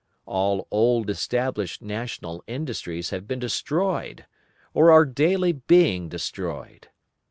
All old established national industries have been destroyed or are daily being destroyed.